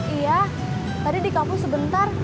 iya tadi di kampung sebentar